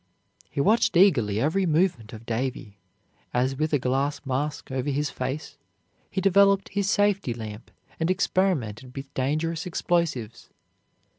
He watched eagerly every movement of Davy, as with a glass mask over his face, he developed his safety lamp and experimented with dangerous explosives.